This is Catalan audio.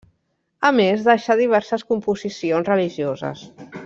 A més, deixà diverses composicions religioses.